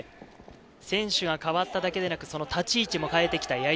選手が変わっただけでなく、立ち位置も変えてきた